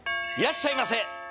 いらっしゃいませ。